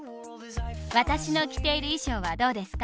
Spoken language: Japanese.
私の着ている衣装はどうですか？